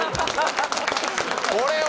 これは。